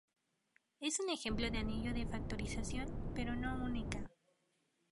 Es un ejemplo de Anillo de factorización, pero no única.